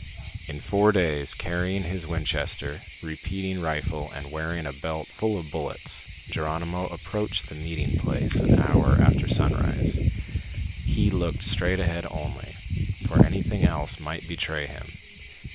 In four days, carrying his Winchester repeating rifle and wearing a belt full of bullets, Geronimo approached the meeting place an hour after sunrise. He looked straight ahead only, for anything else might betray him.